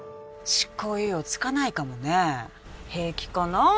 執行猶予つかないかもね平気かなあ